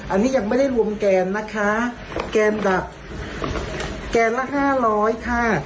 อันนี้ยังไม่ได้รวมแกนนะคะแกนดับแกนละห้าร้อยค่ะ